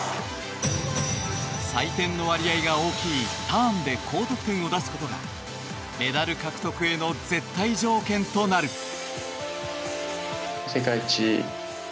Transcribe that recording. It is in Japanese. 採点の割合が大きいターンで高得点を出すことがメダル獲得への絶対条件となる。